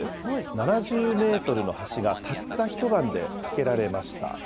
７０メートルの橋がたった一晩で架けられました。